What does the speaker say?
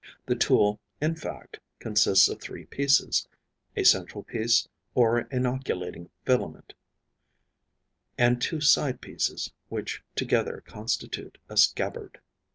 The tool, in fact, consists of three pieces, a central piece, or inoculating filament, and two side pieces, which together constitute a scabbard.